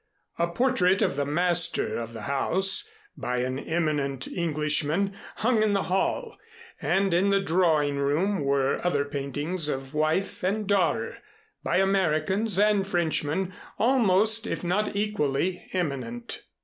A portrait of the master of the house, by an eminent Englishman, hung in the hall, and in the drawing room were other paintings of wife and daughter, by Americans and Frenchmen, almost, if not equally, eminent.